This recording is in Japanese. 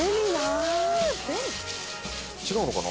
違うのかな？